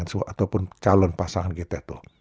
ataupun calon pasangan kita itu